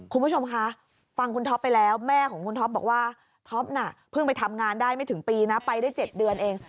คุณผู้ชมคะฟังคุณท็อปไปแล้วแม่ของคุณท็อปบอกว่าท็อปน่ะเพิ่งไปทำงานได้ไม่ถึงปีนะไปได้๗เดือนเอง